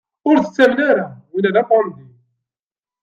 Ur t-ttamen ara, winna d abnadi!